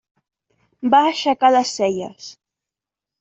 Va aixecar les celles.